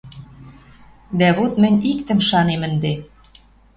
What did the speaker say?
Дӓ вот мӹнь иктӹм шанем ӹнде: